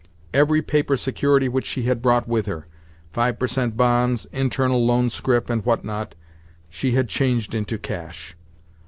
Every paper security which she had brought with her—five percent bonds, internal loan scrip, and what not—she had changed into cash.